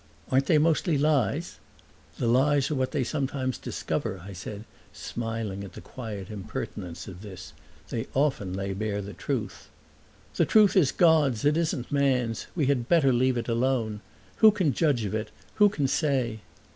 "Aren't they mostly lies?" "The lies are what they sometimes discover," I said, smiling at the quiet impertinence of this. "They often lay bare the truth." "The truth is God's, it isn't man's; we had better leave it alone. Who can judge of it who can say?"